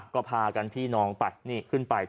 ก็พากันพี่น้องไปนี่ขึ้นไป